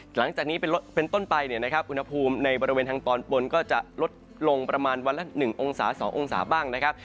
หลังจากนี้เป็นต้นไปเนี่ยนะครับอุณหภูมิในบริเวณทางตอนบนก็จะลดลงประมาณวันละ๑องศา๒องศาบ้างนะครับ